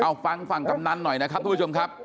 เอาฟังฝั่งกำนันหน่อยนะครับทุกผู้ชมครับ